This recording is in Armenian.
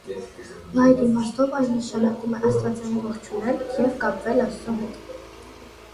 Լայն իմաստով այն նշանակում է «աստվածային ողջունել և կապվել աստծո հետ»։